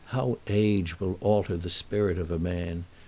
How age will alter the spirit of a man!